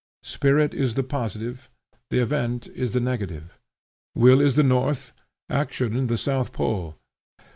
Spirit is the positive, the event is the negative. Will is the north, action the south pole.